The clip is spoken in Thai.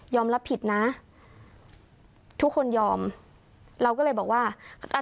รับผิดนะทุกคนยอมเราก็เลยบอกว่าอ่า